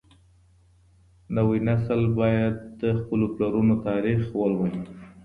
نوی نسل بايد د خپلو پلرونو تاريخ ولولي.